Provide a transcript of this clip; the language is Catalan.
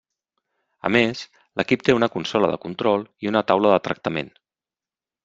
A més, l'equip té una consola de control i una taula de tractament.